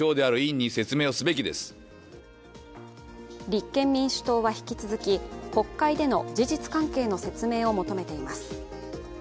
立憲民主党は引き続き、国会での事実関係の説明を求めています。